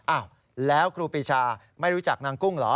อ้าวแล้วครูปีชาไม่รู้จักนางกุ้งเหรอ